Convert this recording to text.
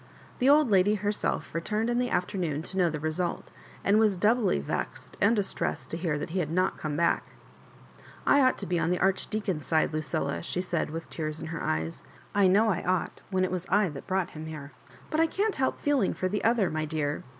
The old lady herself returned in the afternoon to kncfw the result, and was doubly vexed and dia tresised to hear he had not come back. I ought to be on the Archdeacon's side, Lu cilla," she said, with tears in her eyes. " I know I ought, when it was I that brought him here ; but I can't help feeling for the other, my dear.